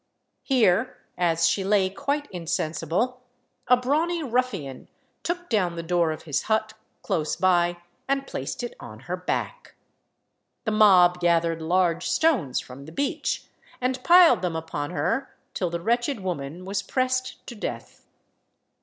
Here, as she lay quite insensible, a brawny ruffian took down the door of his hut, close by, and placed it on her back. The mob gathered large stones from the beach and piled them upon her till the wretched woman was pressed to death.